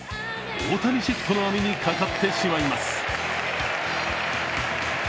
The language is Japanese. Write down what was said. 大谷シフトの網にかかってしまいます。